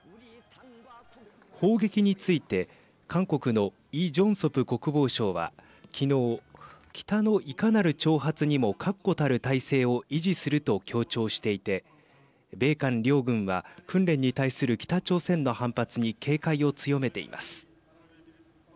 砲撃について韓国のイ・ジョンソプ国防相は昨日北のいかなる挑発にも確固たる態勢を維持すると強調していて米韓両軍は訓練に対する北朝鮮の反発に警戒を強めています。